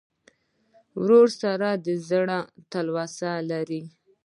ورور سره د زړګي تلوسه لرې.